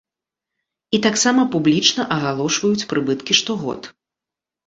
І таксама публічна агалошваюць прыбыткі штогод!